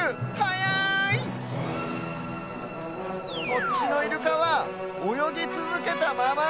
こっちのイルカはおよぎつづけたまま。